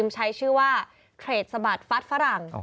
ใช้ชื่อว่าเครดสะบัดฟัดฝรั่ง